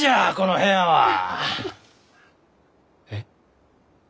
えっ？